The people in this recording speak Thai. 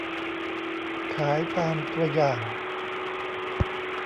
ขายตามตัวอย่าง